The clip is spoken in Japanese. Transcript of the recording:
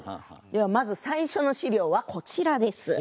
ではまず最初の資料はこちらです。